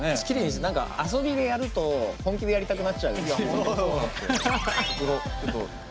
きれいにして何か遊びでやると本気でやりたくなっちゃう。